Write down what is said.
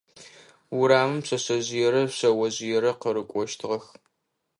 Урамым пшъэшъэжъыерэ шъэожъыерэ къырыкӀощтыгъэх.